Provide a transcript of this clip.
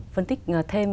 phân tích thêm